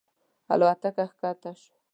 الوتکه کښته شوه.